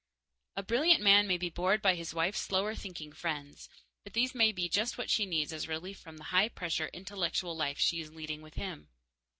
A brilliant man may be bored by his wife's slower thinking women friends, but these may be just what she needs as a relief from the high pressure intellectual life she is leading with him.